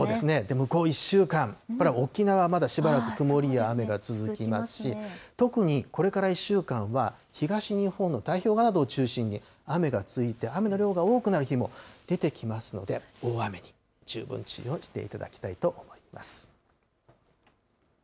向こう１週間、沖縄はまだしばらく曇りや雨が続きますし、特にこれから１週間は、東日本の太平洋側などを中心に雨が続いて、雨の量が多くなる日も出てきますので、大雨に十分注意をしていただきたいと思います。